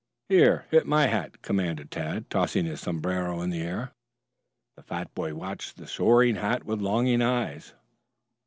"Here, hit my hat," commanded Tad, tossing his sombrero into the air. The fat boy watched the soaring hat with longing eyes.